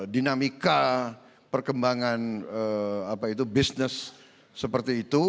dinamika perkembangan apa itu bisnis seperti itu